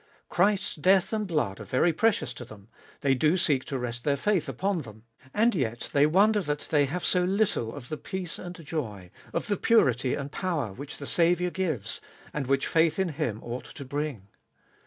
Christ's death and blood are very precious to them ; they do seek to rest their faith upon them. And yet they wonder that they have so little of the peace and joy, of the purity and power which the Saviour gives, and which faith in Him ought to bring.